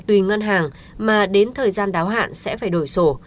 tùy ngân hàng mà đến thời gian đáo hạn sẽ phải đổi sổ